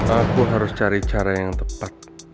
aku harus cari cara yang tepat